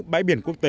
bãi biển quốc tế